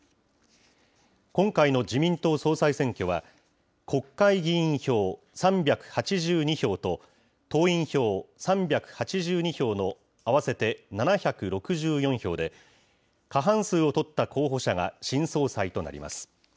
今回の自民党総裁選挙は、国会議員票３８２票と、党員票３８２票の合わせて７６４票で、過半数を取った候補者が新総裁となります。